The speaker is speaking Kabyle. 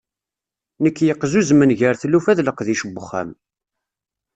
Nekk yeqzuzmen gar tlufa d leqdic n uxxam.